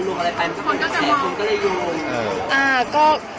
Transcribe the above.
แล้วพอลงอะไรไปมันก็เป็นแบบแบบแบบแบบ